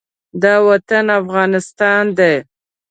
دا وطن افغانستان دی.